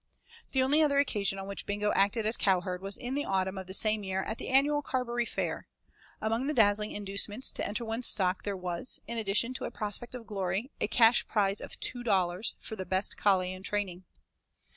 The only other occasion on which Bingo acted as cowherd was in the autumn of the same year at the annual Carberry Fair. Among the dazzling inducements to enter one's stock there was, in addition to a prospect of glory, a cash prize of 'two dollars' for the 'best collie in training'.